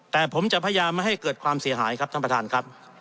แต่ผมจะพยายามไม่ให้เกิดความเสียหายครับท่านประธานครับ